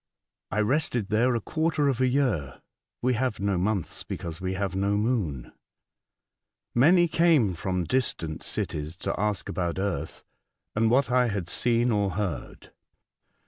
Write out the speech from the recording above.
I rested there a quarter of a year (we have no months, because we have no moon). Many came from distant cities to ask about earth and what I had seen or heard.